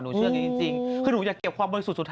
หนูเชื่อกันจริงจริงคือหนูจะเก็บความบริสุทธิ์สุดท้าย